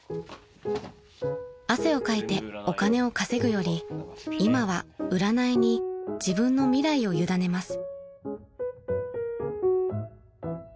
［汗をかいてお金を稼ぐより今は占いに自分の未来を委ねます］